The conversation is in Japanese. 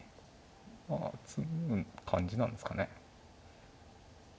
まあ詰む感じなんですかね。